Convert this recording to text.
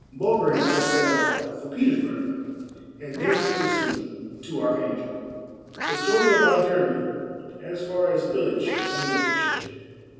— BULGER AND I SET OUT FOR PETERSBURG, AND THENCE PROCEED TO ARCHANGEL. — THE STORY OF OUR JOURNEY AS FAR AS ILITCH ON THE ILITCH.